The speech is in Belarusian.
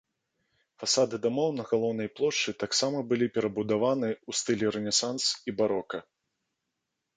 Фасады дамоў на галоўнай плошчы таксама былі перабудаваны ў стылі рэнесанс і барока.